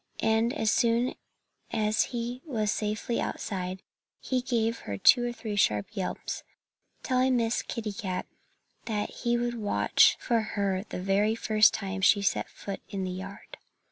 And as soon as he was safely outside he gave two or three sharp yelps, telling Miss Kitty Cat that he would watch for her the very first time she set foot in the yard.